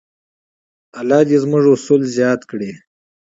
الله دې زموږ حاصلات زیات کړي.